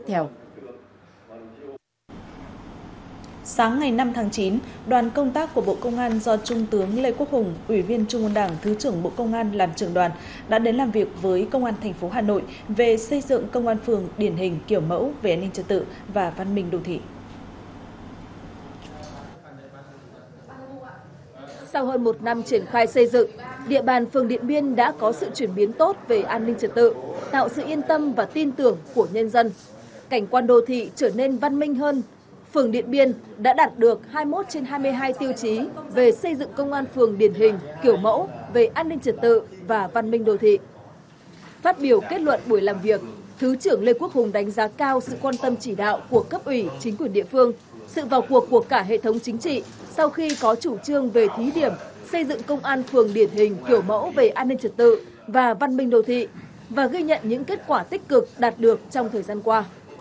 phát biểu kết luận buổi làm việc thứ trưởng lê quốc hùng đánh giá cao sự quan tâm chỉ đạo của cấp ủy chính quyền địa phương sự vào cuộc của cả hệ thống chính trị sau khi có chủ trương về thí điểm xây dựng công an phường điển hình kiểu mẫu về an ninh trật tự và văn minh đồ thị và ghi nhận những kết quả tích cực đạt được trong thời gian qua